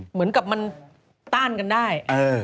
เหมือนกับมันต้านกันได้